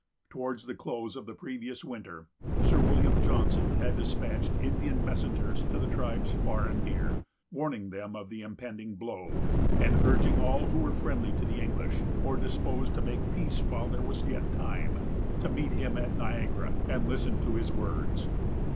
Towards the close of the previous winter, Sir William Johnson had despatched Indian messengers to the tribes far and near, warning them of the impending blow; and urging all who were friendly to the English, or disposed to make peace while there was yet time, to meet him at Niagara, and listen to his words.